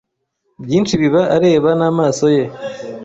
byinshi biba areba namaso ye